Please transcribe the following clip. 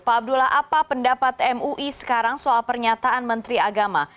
pak abdullah apa pendapat mui sekarang soal pernyataan menteri agama